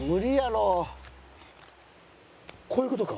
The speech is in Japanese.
こういう事か？